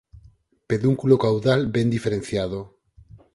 Pedúnculo caudal ben diferenciado.